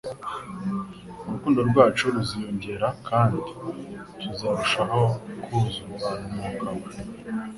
urukundo rwacu ruziyongera, kandi tuzarushaho kuzurwa n'Umwuka We.